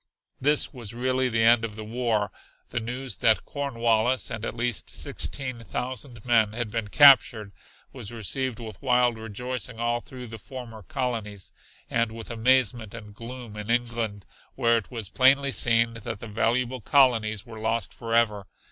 This was really the end of the war. The news that Cornwallis and at least sixteen thousand men had been captured was received with wild rejoicing all through the former colonies, and with amazement and gloom in England, where it was plainly seen that the valuable colonies were lost forever.